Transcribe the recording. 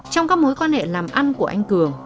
trong các mối quan hệ làm ăn của anh cường